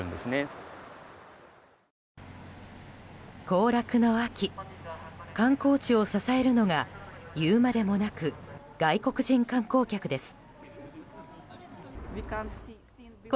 行楽の秋、観光地を支えるのが言うまでもなく外国人観光客です。